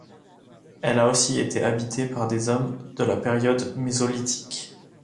Elle a aussi été habitée par des hommes de la période mésolithique.